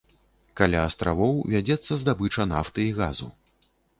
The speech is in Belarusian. Каля астравоў вядзецца здабыча нафты і газу.